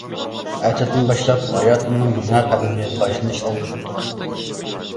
ئەتىدىن باشلاپ ھاياتىمنىڭ يېڭى قەدىمى باشلىنىش ئالدىدا تۇراتتى.